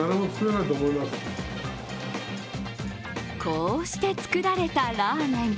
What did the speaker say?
こうして作られたラーメン。